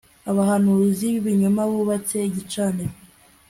abahanuzi bibinyoma bubatse igicaniro